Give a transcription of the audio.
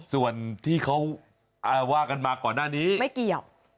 ส่วนที่เขาว่ากันมาก่อนหน้านี้ไม่เกี่ยว